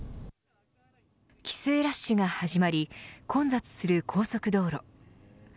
帰省ラッシュが始まり混雑する高速道路。